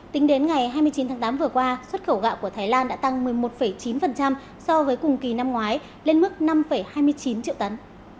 tính đến ngày hai mươi chín tháng tám vừa qua xuất khẩu gạo của thái lan đã tăng một mươi một chín so với cùng kỳ năm ngoái lên mức năm hai mươi chín triệu tấn